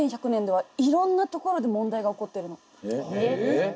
えっ。